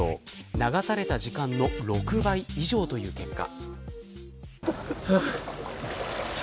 流された時間の６倍以上という結果。